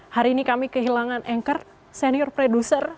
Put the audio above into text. hari ini kami kehilangan anchor senior producer